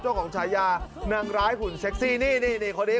เจ้าของชายานางร้ายหุ่นเซ็กซี่นี่นี่นี่นี่